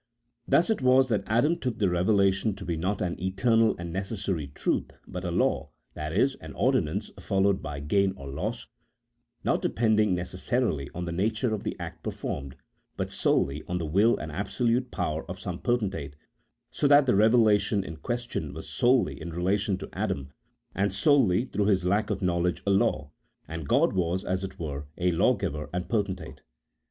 Thus it was that Adam took the revelation to be not an eternal and necessary truth, but a law — that is, an ordinance followed by gain or loss, not depending necessarily on the nature of the act performed, but solely on the will and absolute power of some potentate, so that the revelation in question was solely in relation to Adam, and solely through his lack of knowledge a law, and God was, as it were, a law giver and potentate.